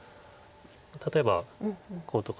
例えばこうとか。